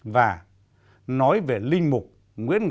và nói về linh mục nguyễn ngọc